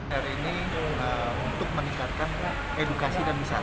hari ini untuk meningkatkan edukasi dan wisata